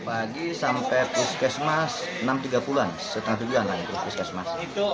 pagi sampai puskesmas enam tiga puluh an setengah tujuan lah itu puskesmas